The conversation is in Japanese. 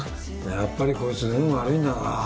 やっぱりこいつ運悪いんだな。